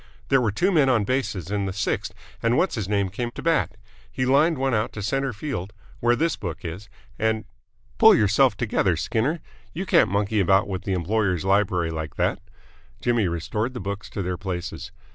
"There were two men on bases in the sixth and What's his name came to bat. He lined one out to centre field where this book is and " "Pull yourself together, Skinner! You can't monkey about with the employer's library like that." Jimmy restored the books to their places.